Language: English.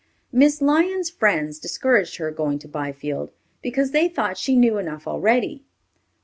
Miss Lyon's friends discouraged her going to Byfield, because they thought she knew enough already.